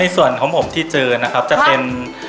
ส่วนของผมที่เจอนะครับจะเป็น